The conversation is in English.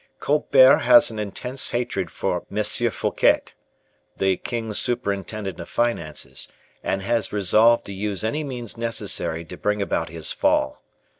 Colbert has an intense hatred for M. Fouquet, the king's superintendent of finances, and has resolved to use any means necessary to bring about his fall.